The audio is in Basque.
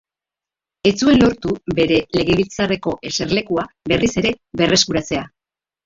Ez zuen lortu bere legebiltzarreko eserlekua berriz ere berreskuratzea.